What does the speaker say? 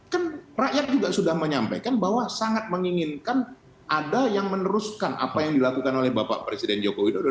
kan rakyat juga sudah menyampaikan bahwa sangat menginginkan ada yang meneruskan apa yang dilakukan oleh bapak presiden joko widodo